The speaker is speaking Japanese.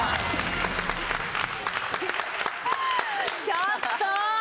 ちょっと！